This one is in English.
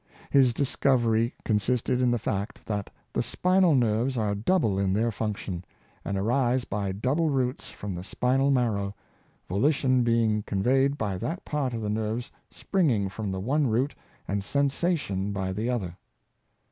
*" His discovery consisted in the fact, that the spinal nerves are double in their function, and arise by double roots from the spinal marrow — volition being conveyed by that part of the nerves springing from the one root, and sensation by the other.